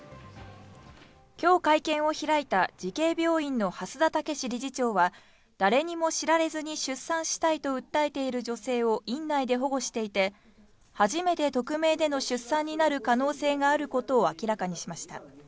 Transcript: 今日会見を開いた慈恵病院の蓮田健理事長は、誰にも知られずに出産したいと訴えている女性を院内で保護していて、初めて匿名での出産になる可能性があることを明らかにしました。